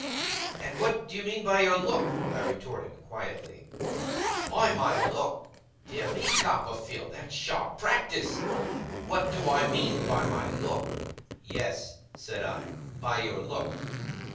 'And what do you mean by your look?' I retorted, quietly. 'By my look? Dear me, Copperfield, that's sharp practice! What do I mean by my look?' 'Yes,' said I. 'By your look.